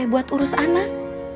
buat urus anak